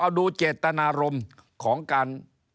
เอาดูเจตนารมณ์ของการ